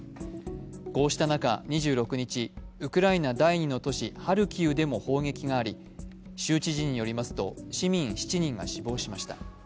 こうした中、２６日、ウクライナ第２の都市ハルキウでも砲撃があり州知事によりますと市民７人が死亡しました。